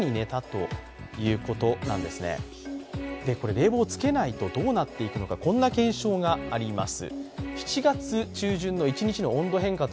冷房をつけないとどうなっていくのかこんな検証があります。